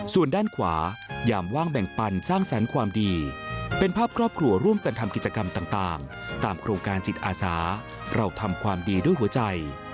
ส่วนด้านขวายามว่างแบ่งปันสร้างแสนความดีเป็นภาพครอบครัวร่วมกันทำกิจกรรมต่างตามโครงการจิตอาสาเราทำความดีด้วยหัวใจ